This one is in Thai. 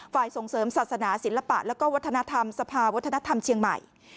ส่งเสริมศาสนาศิลปะแล้วก็วัฒนธรรมสภาวัฒนธรรมเชียงใหม่